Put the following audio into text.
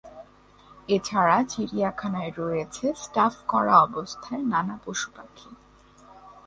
এছাড়া চিড়িয়াখানায় রয়েছে স্টাফ করা অবস্থায় নানা পশুপাখি।